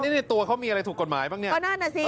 นี่ตัวเค้ามีอะไรถูกกฎหมายบ้าง